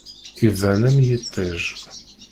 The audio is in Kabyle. Iban am yiṭij.